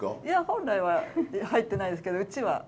いや本来は入ってないですけどうちは。